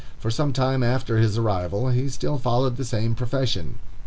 For some time after his arrival he still followed the same profession.